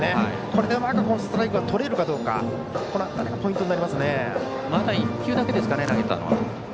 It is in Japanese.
これでうまくストライクがとれるかこの辺りがポイントになります。